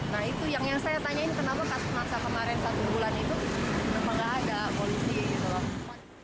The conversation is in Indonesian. nah itu yang saya tanyain kenapa kasus masa kemarin satu bulan itu memang nggak ada polisi gitu loh